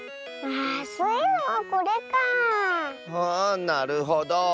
あなるほど。